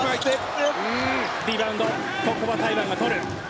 リバウンド、ここは台湾が取る。